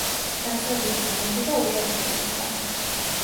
დაწყებითი განათლება ოჯახში მიიღო.